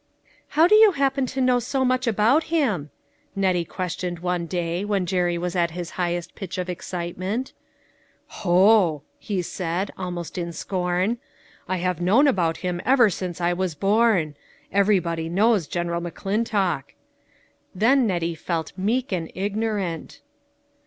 '"" How do you happen to know so much about him ?" Nettie questioned one day when Jerry was at his highest pitch of excitement. " Ho !" he said, almost in scorn, " I have known about him ever since I was born ; every body knows General McClintock." Then Net tie felt meek and ignorant.